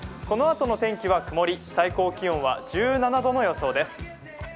このあとの天気は曇り最高気温は１７度の予想です。